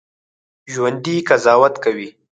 ژوندي قضاوت کوي